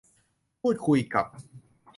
พูดคุยกับ